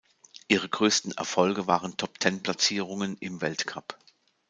Ihre größten Erfolge waren Top-Ten-Platzierungen im Weltcup.